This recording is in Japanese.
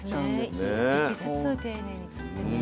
一匹ずつ丁寧に釣ってね。